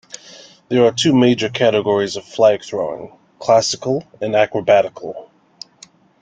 There are two major categories of flag throwing: classical and acrobatical.